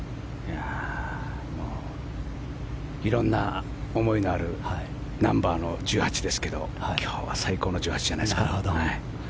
色んな思いのあるナンバーの１８ですけど今日は最高の１８じゃないですか。